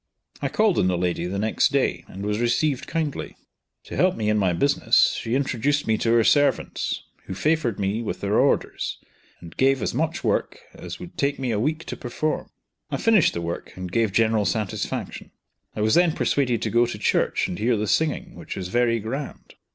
I called on the lady, the next day, and was received kindly. To help me in my business, she introduced me to her servants, who favored me with their orders, and gave as much work, as would take me a week to perform. I finished the work and gave general satisfaction. I was then persuaded to go to church and hear the singing, which was very grand.